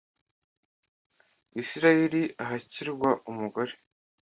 Israheli ahakirwa umugore,